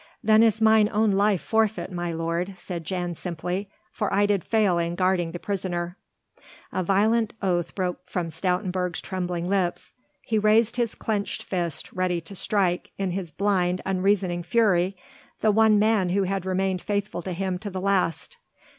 "Then is mine own life forfeit, my lord," said Jan simply, "for I did fail in guarding the prisoner." A violent oath broke from Stoutenburg's trembling lips. He raised his clenched fist, ready to strike in his blind, unreasoning fury the one man who had remained faithful to him to the last.